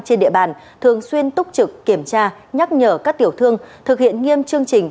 trên địa bàn thường xuyên túc trực kiểm tra nhắc nhở các tiểu thương thực hiện nghiêm chương trình